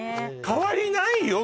代わりないよ